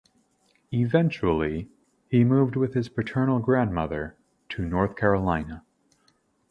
Eventually, he moved with his paternal grandmother to North Carolina.